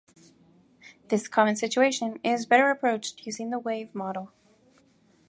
This common situation is better approached using the Wave model.